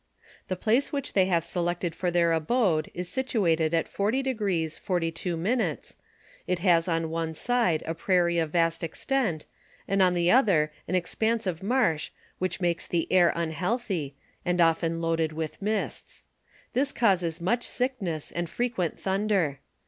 The place which they have selected for their abode is situ ated at 40° 42' ; it has on one side a prairie of vast extent, and on the other an expanse of marsh which makes the air unhealthy, and often loaded with mists ; this causes much sickness and frequent thunder.